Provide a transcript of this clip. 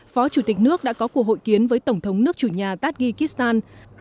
phó chủ tịch nước đã có cuộc hội kiến với tổng thống nước chủ nhà tajikistan